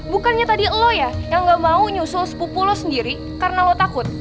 bukannya tadi lo ya yang ga mau nyusul sepupu lo sendiri karena lo takut